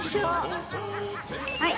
はい。